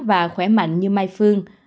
và khỏe mạnh như mai phương